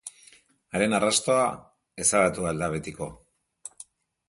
Haren arrastoa ezabatuko ahal da betiko!